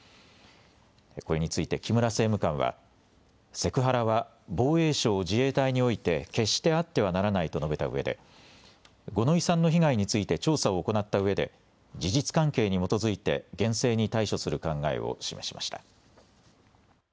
これについて木村政務官はセクハラは防衛省自衛隊において決してあってはならないと述べたうえで五ノ井さんの被害について調査を行ったうえで事実関係に基づいて厳正に対処する考えを示しました。